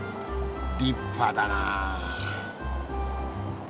立派だなあ。